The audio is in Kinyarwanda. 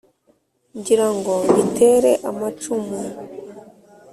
ngira ngo nyitere amacumu